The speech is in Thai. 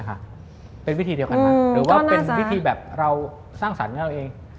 มิวไหมคะเป็นวิธีเดียวกันหรือว่าเป็นวิธีแบบเราสร้างศาลง่ายตัวเอง